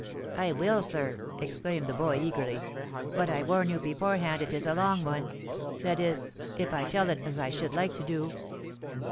"I will, sir," exclaimed the boy, eagerly. "But I warn you beforehand it is a long one—that is, if I tell it as I should like to do."